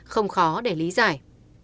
không khó để lý giải